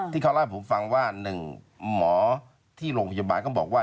ที่เขาเล่าให้ผมฟังว่า๑หมอที่โรงพยาบาลก็บอกว่า